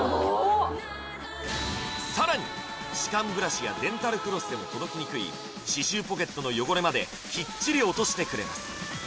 さらに歯間ブラシやデンタルフロスでも届きにくい歯周ポケットの汚れまできっちり落としてくれます